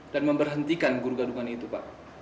dan memberhentikan guru gadungan itu pak